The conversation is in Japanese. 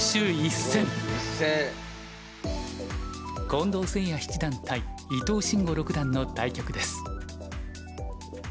近藤誠也七段対伊藤真吾六段の対局です。